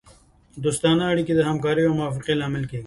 دوستانه اړیکې د همکارۍ او موافقې لامل کیږي